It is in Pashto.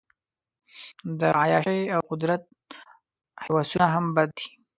د عیاشۍ او قدرت هوسونه هم بد دي.